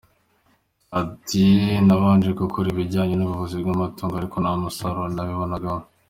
At “ Nabanje gukora ibijyanye n’ubuvuzi bw’amatungo ariko nta musaruro nabibonagamo.